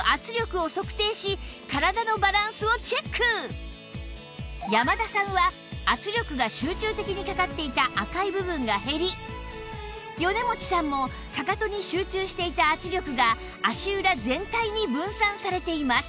実際に山田さんは圧力が集中的にかかっていた赤い部分が減り米持さんもかかとに集中していた圧力が足裏全体に分散されています